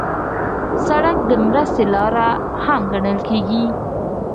سړک د مرستې لاره هم ګڼل کېږي.